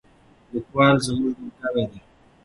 لیکوال زموږ ملګری دی.